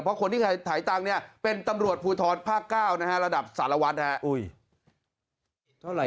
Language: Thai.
เพราะคนที่ถ่ายตังค์เป็นตำรวจภูทรภาค๙ระดับสารวัติ